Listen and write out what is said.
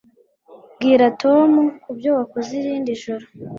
Bwira Tom kubyo wakoze irindi joro